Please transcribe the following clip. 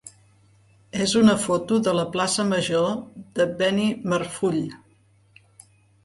és una foto de la plaça major de Benimarfull.